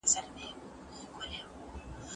خلګ فکر کوي چي سوسیالیزم ښه نظام دی.